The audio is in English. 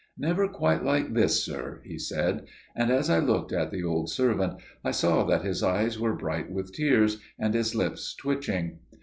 "Never quite like this, sir," he said; and as I looked at the old servant I saw that his eyes were bright with tears, and his lips twitching.